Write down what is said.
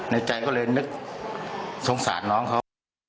ในใจก็เลยนึกสงสารน้องเขา